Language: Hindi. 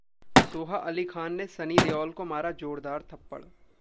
सोहा अली खान ने सनी देओल को मारा जोरदार थप्पड़!